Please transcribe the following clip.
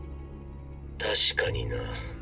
確かにな。